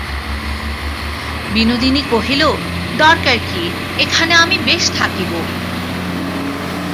বিনোদিনী কহিল, দরকার কী, এখানে আমি বেশ থাকিব।